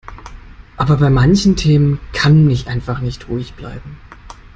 Aber bei manchen Themen kann ich einfach nicht ruhig bleiben.